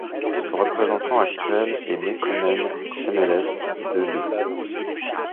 Son représentant actuel est Mekonnen Shemeles Zewdu.